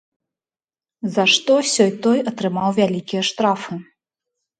За што сёй-той атрымаў вялікія штрафы.